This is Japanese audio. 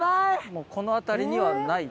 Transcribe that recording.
もうこの辺りにはない。